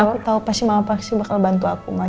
aku tau pasti mama pasti bakal bantu aku ma